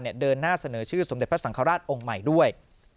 เนี่ยเดินหน้าเสนอชื่อสมเด็จพระสังคราชองภัยด้วย